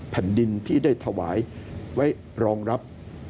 แผ่นดินที่ได้ถวายไว้รองรับ